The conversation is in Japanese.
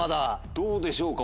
どうでしょうか